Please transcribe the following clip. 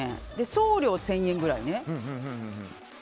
送料１０００円ぐらいね。